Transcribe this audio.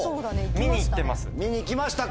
見に行きましたか！